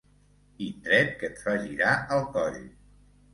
Indret que et fa girar el coll.